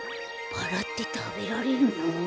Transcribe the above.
バラってたべられるの？